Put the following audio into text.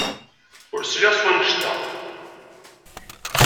Ur sliɣ s wanect-a.